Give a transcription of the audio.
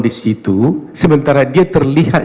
di situ sementara dia terlihat